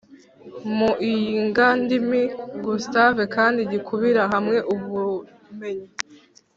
mu iyigandimi Gustave kandi gikubira hamwe ubumenyi